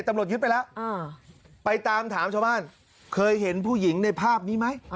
ตำรวจยึดไปแล้วไปตามถามชาวบ้านเคยเห็นผู้หญิงในภาพนี้ไหม